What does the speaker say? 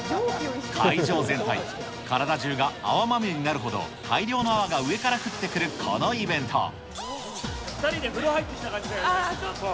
会場全体、体中が泡まみれになるほど、大量の泡が上から降ってくるこの２人で風呂入ってきた感じだよね。